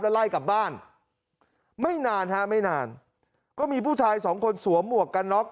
แล้วไล่กลับบ้านไม่นานฮะไม่นานก็มีผู้ชายสองคนสวมหมวกกันน็อก